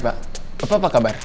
baik pak apa kabar